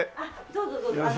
どうぞどうぞ。